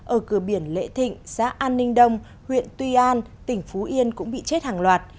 ở cửa biển lễ thịnh xã an ninh đông huyện tuy an tỉnh phú yên cũng bị chết hàng loạt